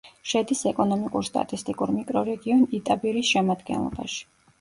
შედის ეკონომიკურ-სტატისტიკურ მიკრორეგიონ იტაბირის შემადგენლობაში.